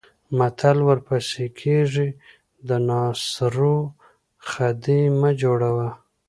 متل ورپسې کېږي د ناصرو خدۍ مه جوړوه.